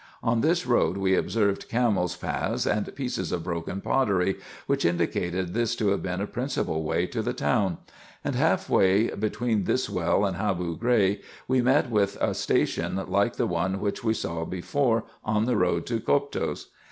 On this road we observed camels' paths, and pieces of broken pottery, which indicated this to have been a principal way to the town ; and half way between this well and Haboo Grey, we met with a station like the one which we saw before on the road to Coptos.